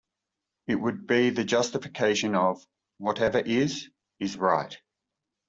It would be the justification of "Whatever is, is right".